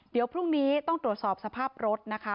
เดี๋ยวพรุ่งนี้ต้องตรวจสอบสภาพรถนะคะ